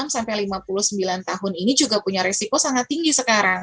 enam sampai lima puluh sembilan tahun ini juga punya resiko sangat tinggi sekarang